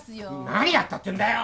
何やったっていうんだよ！